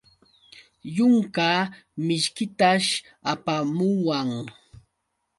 Yunka mishkitash apamuwan.